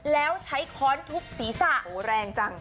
แล้วใช้ค้อนทุบศีรษะโอ้โหแรงจัง